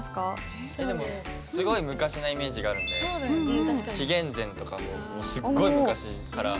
でもすごい昔なイメージがあるんで紀元前とかすっごい昔から。